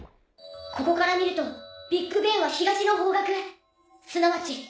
ここから見るとビッグベンは東の方角すなわち夜明け！